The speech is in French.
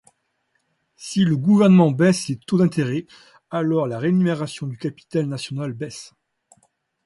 Si le gouvernement baisse les taux d’intérêt alors la rémunération du capital national baisse.